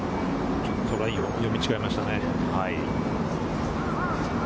ちょっとラインを読み間違えましたね。